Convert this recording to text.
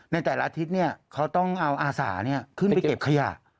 ในแต่ละอาทิตย์เขาต้องเอาอาสาขึ้นไปเก็บขยะ